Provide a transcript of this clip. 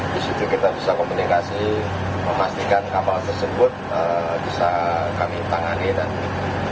di situ kita bisa komunikasi memastikan kapal tersebut bisa kami tangani dan